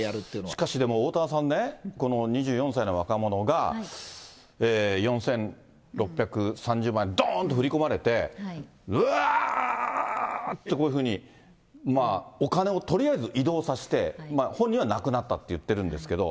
しかし、おおたわさんね、この２４歳の若者が、４６３０万円、どんと振り込まれて、うわーっとこういうふうに、お金をとりあえず移動させて、本人はなくなったって言ってるんですけど、